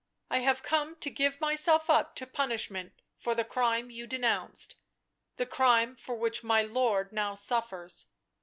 I have come to give myself up to punishment for the crime you denounced — the crime for which my lord now suffers.